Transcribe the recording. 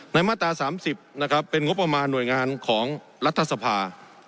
มาตรา๓๐นะครับเป็นงบประมาณหน่วยงานของรัฐสภา